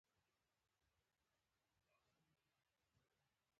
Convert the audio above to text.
ما ورته وویل: له ګولایي سره په څنګ کې وې، چې ونه لیدل شوې.